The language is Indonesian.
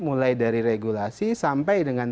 mulai dari regulasi sampai dengan